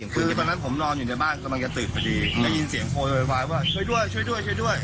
คือเมื่อนั้นผมนอนอยู่ในบ้านกำลังจะติดไปดีก็ยินเสียงโทรไวว่าช่วยด้วย